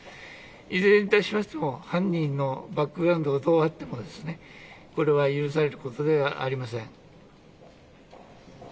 いずれに対しましても犯人のバックグラウンドがどうあってもこれは許されることではありません。